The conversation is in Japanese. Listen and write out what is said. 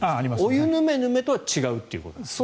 お湯ヌメヌメとは違うということですね。